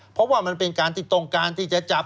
เพราะว่ามันเป็นการที่ต้องการที่จะจับ